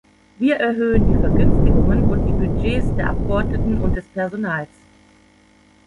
Wir erhöhen die Vergünstigungen und die Budgets der Abgeordneten und des Personals.